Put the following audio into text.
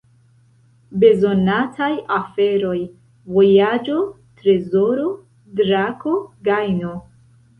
Bezonataj aferoj: vojaĝo, trezoro, drako, gajno.